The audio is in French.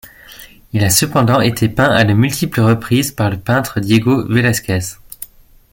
Il a cependant été peint à de multiples reprises par le peintre Diego Vélasquez.